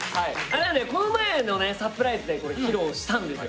この前のねサプライズでこれ披露したんですよ